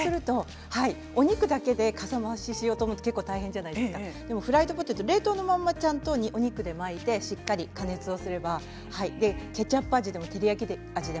お肉だけで、かさ増ししようと思うと結構、大変ですがフライドポテト冷凍のまま、お肉で巻いてしっかり加熱をすればケチャップ味、照り焼き味